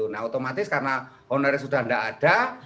nah otomatis karena honornya sudah tidak ada